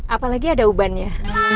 apalagi ada uban ya